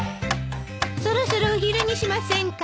そろそろお昼にしませんか？